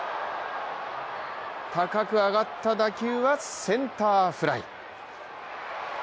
高く上がった打球はセンターフライ。